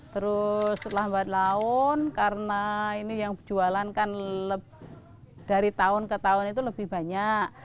terus terlambat laun karena ini yang berjualan kan dari tahun ke tahun itu lebih banyak